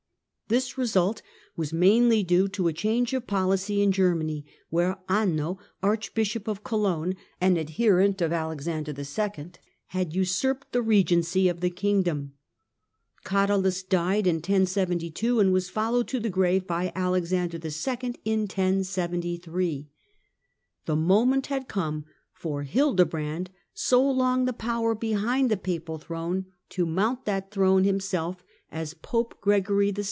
This result was mainly due to a change of policy in Germany, where Anno, Archbisho}) of Cologne, an adherent of Alexander II., had usurped the regency of the kingdom. Cadalus died in 1072, and was followed to the grave by Alexander II. in 1073. The moment had come for Hildebrand, so long the power behind the papal throne, to mount that throne himself as Pope Gregory YII.